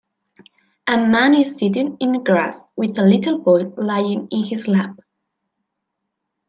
A man is sitting in grass with a little boy laying in his lap.